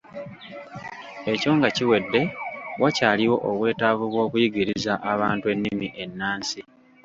Ekyo nga kiwedde, wakyaliwo obwetaavu bw'okuyigiriza abantu ennimi ennansi.